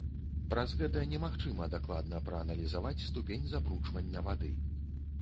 Праз гэта немагчыма дакладна прааналізаваць ступень забруджвання вады.